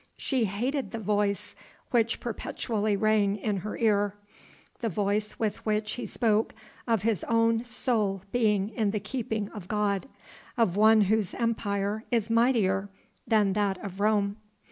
She hated the voice which perpetually rang in her ear, the voice with which he spoke of his own soul being in the keeping of God of One Whose Empire is mightier than that of Rome.